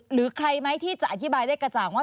หรือใครไหมที่จะอธิบายได้กระจ่างว่า